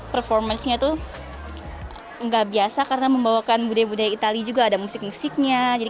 performance itu enggak biasa karena membawakan budaya budaya itali juga ada musik musiknya jadi